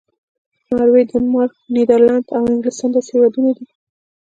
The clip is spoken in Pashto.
ناروې، ډنمارک، نیدرلینډ او انګلستان داسې هېوادونه دي.